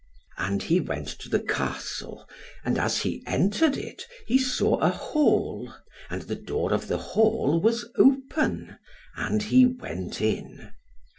And he went to the castle; and as he entered it, he saw a hall, and the door of the hall was open, and he went in.